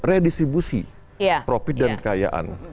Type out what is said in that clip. redistribusi profit dan kekayaan